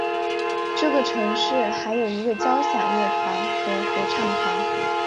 这个城市还有一个交响乐团和合唱团。